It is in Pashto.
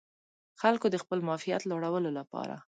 خلکو د خپل معافیت لوړولو لپاره